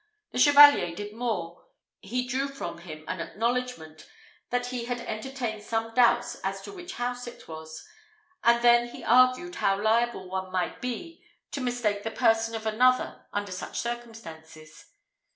The Chevalier did more; he drew from him an acknowledgment that he had entertained some doubts as to which house it was; and then he argued how liable one might be to mistake the person of another under such circumstances.